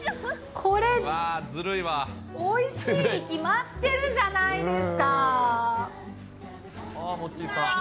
これ、おいしいに決まってるじゃないですか。